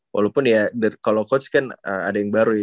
walaupun ya kalau coach kan ada yang baru ya